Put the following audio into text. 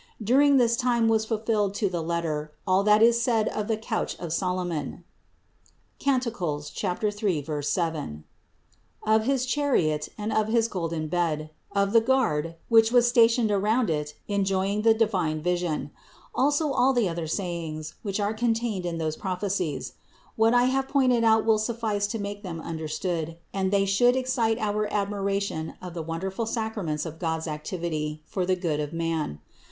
During this time was fulfilled to the letter all that is said of the couch of Solomon (Cant. 3, 7), of his chariot and of his golden bed, of the guard, which was stationed around it enjoying the divine vision; also all the other sayings, which are contained in those prophecies. What I have pointed out will suffice to make them understood, and they should excite our admiration of the wonderful sacraments of God's activity for the good of man.